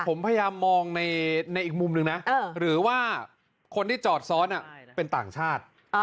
ผมพยายามมองในอีกมุมหนึ่งนะหรือว่าคนที่จอดซ้อนเป็นต่างชาติ